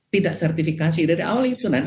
tidak sertifikasi dari awal itu nanti